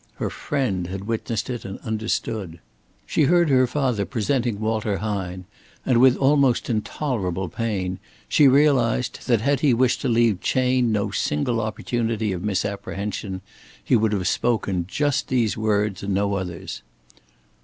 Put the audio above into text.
Her friend had witnessed it and understood! She heard her father presenting Walter Hine, and with almost intolerable pain she realized that had he wished to leave Chayne no single opportunity of misapprehension, he would have spoken just these words and no others.